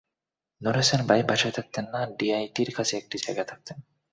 নূর হোসেন ভাই বাসায় থাকতেন না, ডিআইটির কাছে একটা জায়গায় থাকতেন।